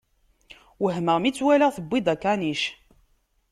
Wehmeɣ mi tt-walaɣ tewwi-d akanic.